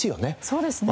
そうですね。